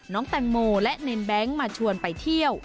น้องแตงโมและเนรแบงค์มาชวนไปเที่ยว